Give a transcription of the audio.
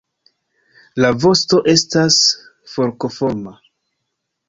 La vosto estas forkoforma.